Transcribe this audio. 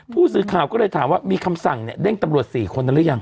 ผู้สื่อข่าวก็เลยถามว่ามีคำสั่งเนี่ยเด้งตำรวจ๔คนนั้นหรือยัง